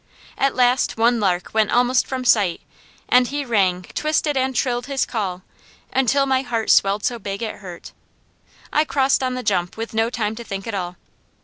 At last one lark went almost from sight and he rang, twisted and trilled his call, until my heart swelled so big it hurt. I crossed on the jump with no time to think at all.